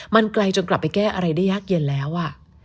มันไกลจนกลับไปแก้อะไรได้ยากเย็นแล้วอ่ะ